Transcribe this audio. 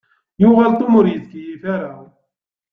Yuɣal Tom ur ittkeyyif ara.